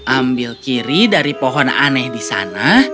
ambil kiri dari pohon aneh di sana